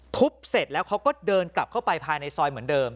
ทุบเสร็จแล้วเขาก็เดินกลับเข้าไปภายในซอยเหมือนเดิม